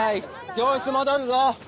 教室戻るぞ。